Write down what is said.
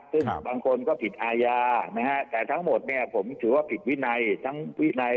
ซึ่งบางคนก็ผิดอายานะฮะแต่ทั้งหมดเนี้ยผมถือว่าผิดวินัย